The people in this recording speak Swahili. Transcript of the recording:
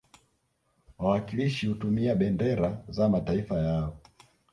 Wawakilishi hutumia bendera za mataifa yao